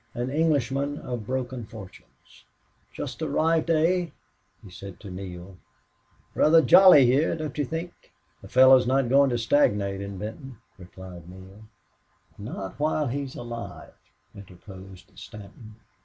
An Englishman of broken fortunes. "Just arrived, eh?" he said to Neale. "Rather jolly here, don't you think?" "A fellow's not going to stagnate in Benton," replied Neale. "Not while he's alive," interposed Stanton.